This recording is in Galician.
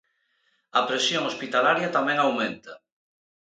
A presión hospitalaria tamén aumenta.